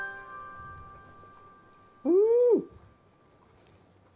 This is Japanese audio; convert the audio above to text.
うん！